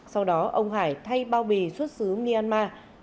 sau đó ông hải thay bao bì xuất xứ myanmar